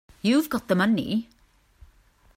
You've got the money.